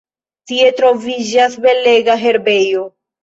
Tie troviĝas belega herbejo.